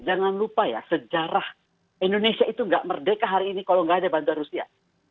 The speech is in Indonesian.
jangan lupa ya sejarah indonesia itu nggak merdeka hari ini kalau nggak ada bantuan rusia